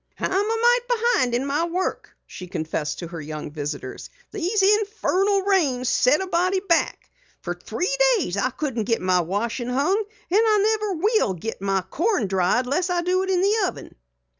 "I'm a mite behind in my work," she confessed to her young visitors. "These infernal rains set a body back. Fer three days I couldn't get my washin' hung, an' I never will git my corn dried less I do it in the oven."